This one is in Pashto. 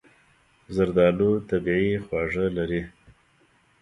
زردالو طبیعي خواږه لري.